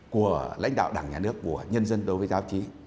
của lãnh đạo đảng nhà nước của nhân dân đối với giáo chí